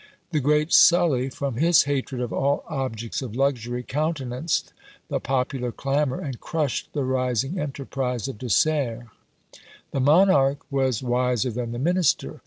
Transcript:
The great Sully, from his hatred of all objects of luxury, countenanced the popular clamour, and crushed the rising enterprise of De Serres. The monarch was wiser than the minister.